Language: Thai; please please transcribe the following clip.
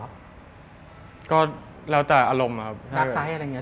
วะแล้วแต่อารมณ์ล่ะอ่ะครับ